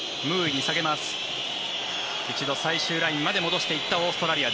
一度最終ラインまで戻していったオーストラリア。